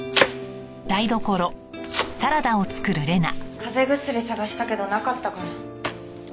風邪薬探したけどなかったから。